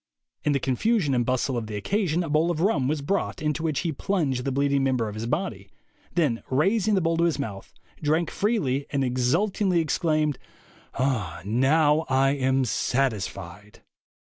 In the confusion and bustle of the occasion a bowl of rum was brought, into which he plunged the bleed ing member of his body, then raising the bowl to his mouth, drank freely, and exultingly exclaimed, 'Now I am satisfied.'